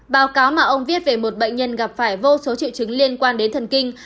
báo cáo mà ông viết về một bệnh nhân gặp phải vô số triệu chứng liên quan đến thần kinh